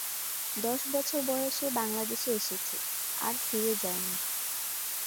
দশ বছর বয়সে বাংলাদেশে এসেছে, আর ফিরে যায় নি।